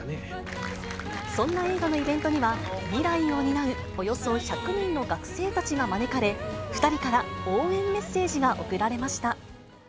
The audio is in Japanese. そんな映画のイベントには、未来を担うおよそ１００人の学生たちが招かれ、２人から応援メッセージが送られました。